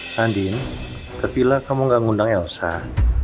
sandin kepila kamu gak ngundang ya usah